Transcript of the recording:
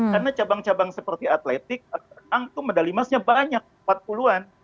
karena cabang cabang seperti atletik renang itu medali emasnya banyak empat puluh an